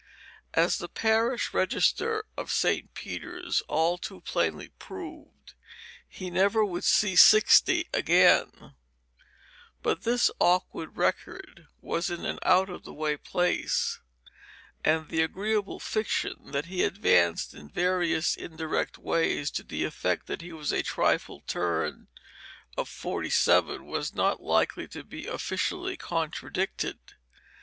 As the parish register of St. Peter's all too plainly proved, he never would see sixty again; but this awkward record was in an out of the way place, and the agreeable fiction that he advanced in various indirect ways to the effect that he was a trifle turned of forty seven was not likely to be officially contradicted.